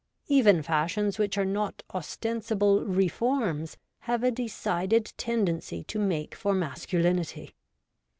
Even fashions which are not ostensible ' reforms ' have a decided tendency to make for mascuhnity.